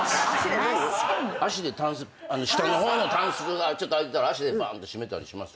下の方のタンスが開いてたら足でバンって閉めたりします？